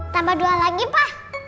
tambah dua lagi pa